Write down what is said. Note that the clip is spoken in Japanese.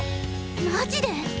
マジで？